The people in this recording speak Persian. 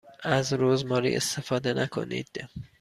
از رزماری استفاده نکنید.